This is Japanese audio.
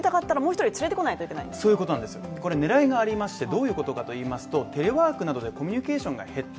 これ狙いがありましてどういうことかといいますと、テレワークなどでコミュニケーションが減った。